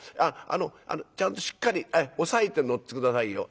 あのちゃんとしっかり押さえて乗って下さいよ。